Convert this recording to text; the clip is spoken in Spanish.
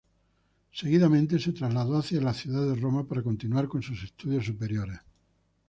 Seguidamente se trasladó hacia la ciudad de Roma, para continuar con sus estudios superiores.